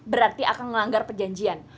berarti akan melanggar perjanjian